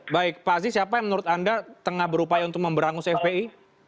baik pak aziz siapa yang menurut anda tengah berupaya untuk memberangus fpi